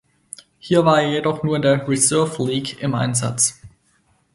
Hier war er jedoch nur in der "Reserve League" im Einsatz.